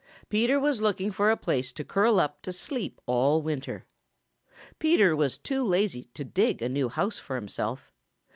Peter was looking for a place to curl up to sleep all winter. Peter was too lazy to dig a new house for himself.